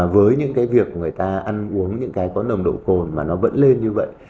với những cái việc người ta ăn uống những cái có nồng độ cồn mà nó vẫn lên như vậy